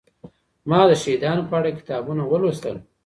ما د شهيدانو په اړه کتابونه ولوستل.